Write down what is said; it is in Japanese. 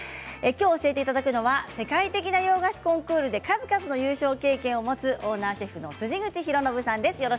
きょう教えていただくのは世界的な洋菓子コンクールで数々の優勝経験を持つオーナーシェフの辻口博啓さんです。